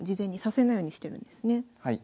はい。